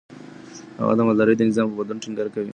هغه د مالدارۍ د نظام په بدلون ټينګار کوي.